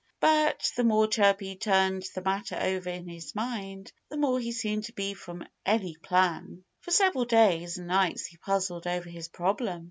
But the more Chirpy turned the matter over in his mind the further he seemed to be from any plan. For several days and nights he puzzled over his problem.